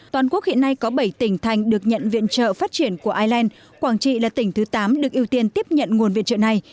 toàn quốc hiện nay có bảy tỉnh thành được nhận viện trợ phát triển của ireland quảng trị là tỉnh thứ tám được ưu tiên tiếp nhận nguồn viện trợ này